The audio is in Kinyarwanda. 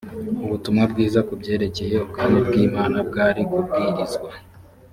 ubutumwa bwiza ku byerekeye ubwami bw imana bwari kubwirizwa